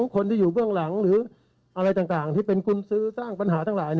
คนที่อยู่เบื้องหลังหรืออะไรต่างที่เป็นกุญซื้อสร้างปัญหาทั้งหลาย